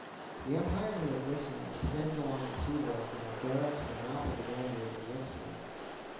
The empire of the Odrysians extended along the seaboard from Abdera to the mouth of the Danube in the Euxine.